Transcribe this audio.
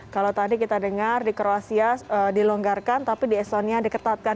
kalau tadi kita dengar di kroasia dilonggarkan tapi di estonia diketatkan